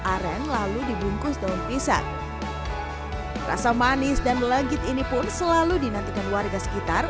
aren lalu dibungkus daun pisang rasa manis dan lenggit ini pun selalu dinantikan warga sekitar